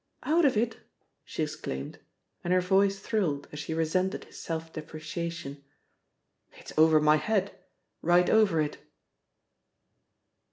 "Out of it?" she exclaimed, and her voice thrilled as she resented his self depreciation. "It's over my head right over it!"